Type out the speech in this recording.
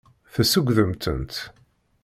Tessugdem-tent.